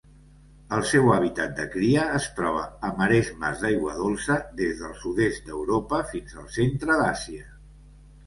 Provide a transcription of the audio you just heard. El seu hàbitat de cria es troba a maresmes d'aigua dolça des del sud-est d'Europa fins al centre d'Àsia.